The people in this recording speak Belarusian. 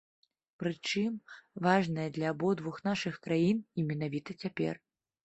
Прычым, важнае для абодвух нашых краін і менавіта цяпер.